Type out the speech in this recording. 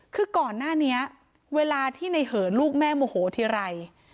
คือก่อนหน้านี้เวลาที่ในเหินลูกแม่โมโหทีไร